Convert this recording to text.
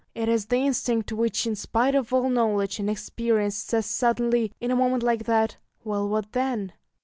It is the instinct which, in spite of all knowledge and experience, says suddenly, in a moment like that, "Well, what then?"